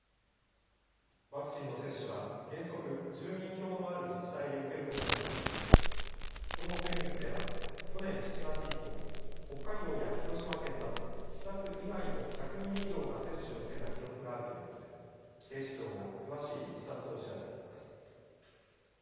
ワクチンの接種は原則住民票のある自治体で受けることになっていますが、このクリニックでは去年７月以降、北海道や広島県など北区以外の１００人以上が接種を受けた記録があるということで警視庁が詳しいいきさつを調べています。